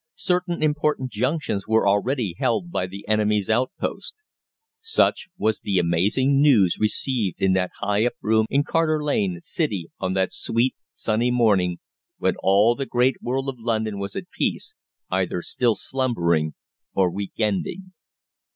Certain important junctions were already held by the enemy's outposts. Such was the amazing news received in that high up room in Carter Lane, City, on that sweet, sunny morning when all the great world of London was at peace, either still slumbering or week ending.